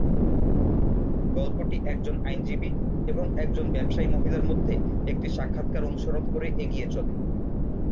গল্পটি একজন আইনজীবী এবং একজন ব্যবসায়ী মহিলার মধ্যে একটি সাক্ষাৎকার অনুসরণ করে এগিয়ে চলে।